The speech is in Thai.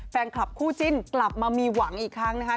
แฟนคลับคู่จิ้นกลับมามีหวังอีกครั้งนะคะ